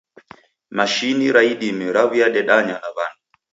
Mashini ra idime riaw'iadedanya na w'andu